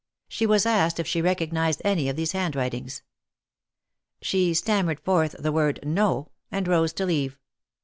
She was asked if she recognized any of these hand writings. She stammered forth the word, No," and rose to leave.